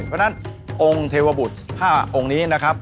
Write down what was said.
เพราะฉะนั้นองค์เทวบุตร๕องค์นี้นะครับ